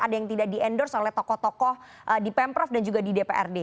ada yang tidak di endorse oleh tokoh tokoh di pemprov dan juga di dprd